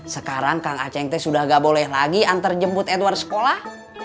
sekarang kang aceng te sudah gak boleh lagi antar jemput edward sekolah